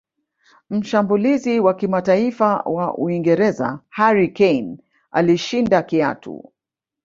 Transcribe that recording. mshambulizi wa kimataifa wa uingereza harry kane alishinda kiatu